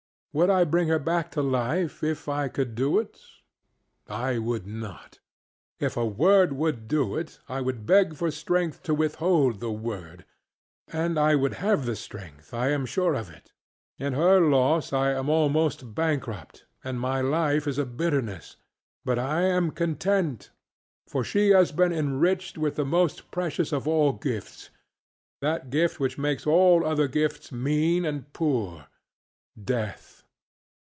Would I bring her back to life if I could do it? I would not. If a word would do it, I would beg for strength to withhold the word. And I would have the strength; I am sure of it. In her loss I am almost bankrupt, and my life is a bitterness, but I am content: for she has been enriched with the most precious of all giftsŌĆöthat gift which makes all other gifts mean and poorŌĆödeath.